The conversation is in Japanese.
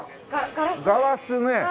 ガラスね！